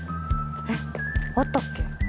えっあったっけ？